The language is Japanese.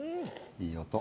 いい音。